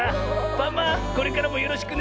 パマこれからもよろしくね。